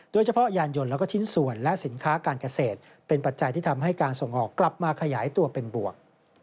โดยรวมการส่งออกในเดือนสิงหาคมบวก๖๕